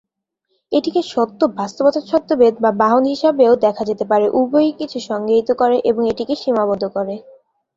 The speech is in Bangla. এটিকে সত্য বাস্তবতার ছদ্মবেশ বা বাহন হিসাবেও দেখা যেতে পারে, উভয়ই কিছু সংজ্ঞায়িত করে এবং এটিকে সীমাবদ্ধ করে।